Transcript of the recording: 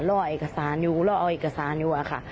รอเอกสารอยู่รอเอาเอกสารอยู่อะค่ะ